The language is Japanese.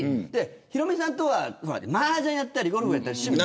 ヒロミさんとはマージャンをやったりゴルフやったり趣味。